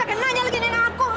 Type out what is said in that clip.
lagi nanya lagi nenek aku